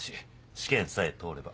試験さえ通れば。